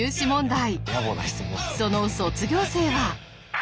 その卒業生は。